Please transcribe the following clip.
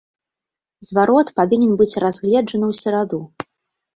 Зварот павінен быць разгледжаны ў сераду.